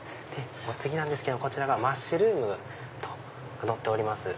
お次なんですけどこちらがマッシュルームのっております。